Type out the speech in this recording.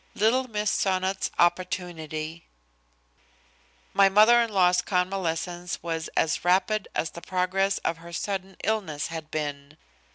XX LITTLE MISS SONNOT'S OPPORTUNITY My mother in law's convalescence was as rapid as the progress of her sudden illness had been.